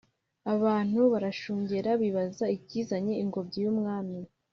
abantu barashungera bibaza ikizanye ingobyi yumwami